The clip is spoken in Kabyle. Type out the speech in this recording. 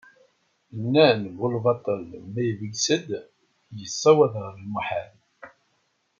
Nnan bu lbaṭel ma ibges-d, yessawaḍ ɣer lmuḥal.